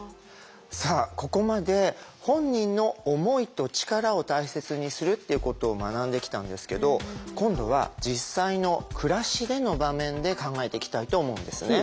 さあここまで本人の思いと力を大切にするっていうことを学んできたんですけど今度は実際の暮らしでの場面で考えていきたいと思うんですね。